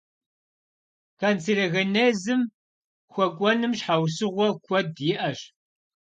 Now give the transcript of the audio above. Канцерогенезым хуэкӀуэным щхьэусыгъуэ куэд иӀэщ.